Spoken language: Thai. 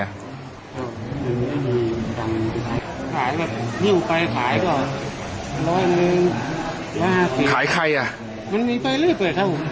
ขายแบบมี่หูไปขายก่อนร้อยมีประหลายขายใครอ่ะ